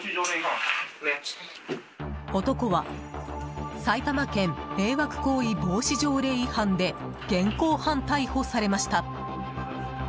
男は埼玉県迷惑行為防止条例違反で現行犯逮捕されました。